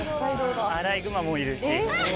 アライグマもいるし。